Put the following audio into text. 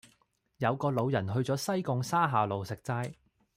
有個老人去左西貢沙下路食齋